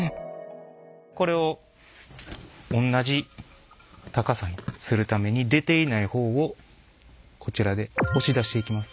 これをおんなじ高さにするために出ていない方をこちらで押し出していきます。